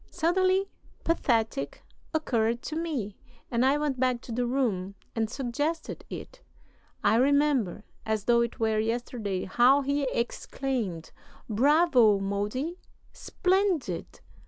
Suddenly 'Pathetic' occurred to me, and I went back to the room and suggested it. I remember, as though it were yesterday, how he exclaimed: 'Bravo, Modi, splendid!